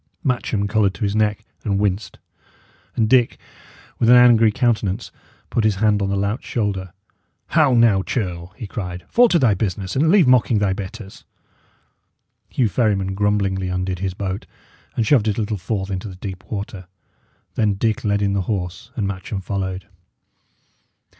Matcham coloured to his neck and winced; and Dick, with an angry countenance, put his hand on the lout's shoulder. "How now, churl!" he cried. "Fall to thy business, and leave mocking thy betters." Hugh Ferryman grumblingly undid his boat, and shoved it a little forth into the deep water. Then Dick led in the horse, and Matcham followed.